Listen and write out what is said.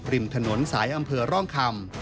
ริมถนนสายอำเภอร่องคำ